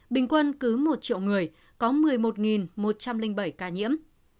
bình quân cứ một triệu người có một mươi một một trăm linh bảy ca nhiễm